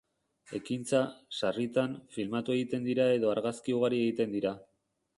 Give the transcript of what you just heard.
Ekintza, sarritan, filmatu egiten dira edo argazki ugari egiten dira.